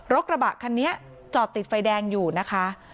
กระบะคันนี้จอดติดไฟแดงอยู่นะคะ